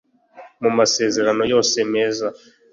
mu masezerano yose meza